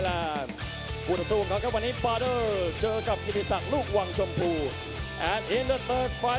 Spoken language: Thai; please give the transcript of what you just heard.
และเขาเชิญในข้างภูมิคิตตีศักดิ์ลูกวังชมพูจากไทย